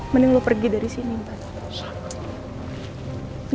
mending lo pergi dari sini mbak